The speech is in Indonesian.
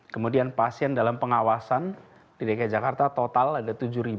kemudian pasien dalam pengawasan di dki jakarta total ada tujuh delapan ratus sembilan puluh sembilan